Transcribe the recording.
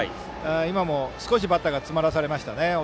今も少しバッターが押されて詰まらされましたね。